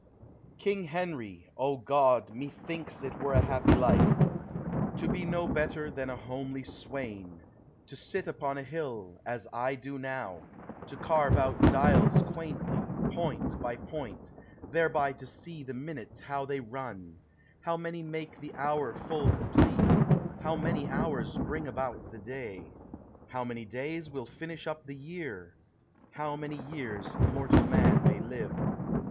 King Henry. — O (Jod! methinks, it were a happy life, To be no better than a homely swain; To sit upon a hill, as I do now, To carve out dials quaintly, point by point, Thereby to see the minutes how they run : How many make the hour full complete, How many hours bring about the day, How many days will finish up the year, How many years a mortal man may live.